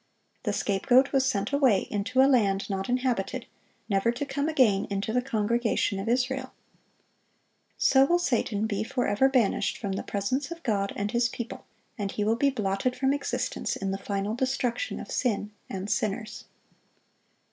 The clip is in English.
The scapegoat was sent away into a land not inhabited, never to come again into the congregation of Israel. So will Satan be forever banished from the presence of God and His people, and he will be blotted from existence in the final destruction of sin and sinners.